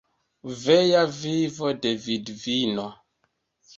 Vea vivo de vidvino.